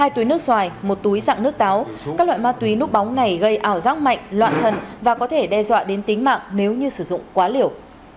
hai túi nước xoài một túi dạng nước táo các loại ma túy núp bóng này gây ảo giác mạnh loạn thần và có thể đe dọa đến tính mạng nếu như sử dụng quá liều